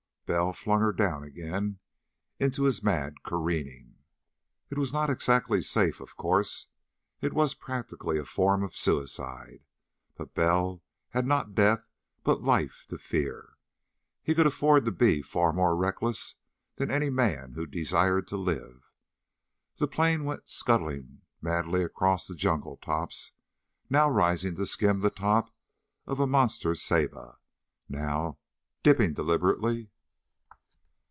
Bell flung her down again into his mad careering. It was not exactly safe, of course. It was practically a form of suicide. But Bell had not death, but life to fear. He could afford to be far more reckless than any man who desired to live. The plane went scuttling madly across the jungle tops, now rising to skim the top of a monster ceiba, now dipping deliberately.